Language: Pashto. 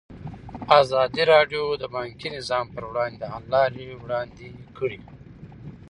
ازادي راډیو د بانکي نظام پر وړاندې د حل لارې وړاندې کړي.